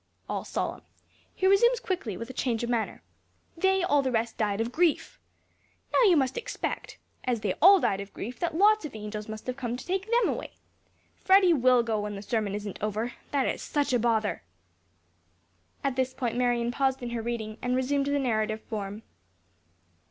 (All solemn. He resumes quickly, with a change of manner), "They, all the rest, died of grief. Now, you must expect, as they all died of grief, that lots of angels must have come to take them away. Freddy will go when the sermon isn't over! That is such a bother!" At this point Marion paused in her reading, and resumed the narrative form.